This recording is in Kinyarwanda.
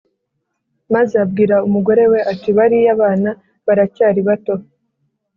maze abwira umugore we ati" bariya bana baracyari bato